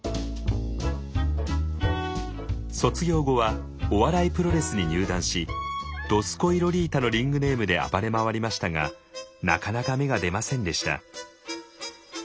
卒業後はお笑いプロレスに入団し「どすこいロリータ」のリングネームで暴れ回りましたがなかなか芽が出ませんでした。